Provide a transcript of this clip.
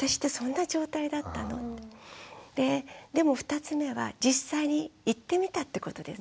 ででも２つ目は実際に行ってみたってことです。